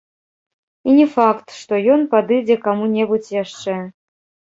І не факт, што ён падыдзе каму-небудзь яшчэ.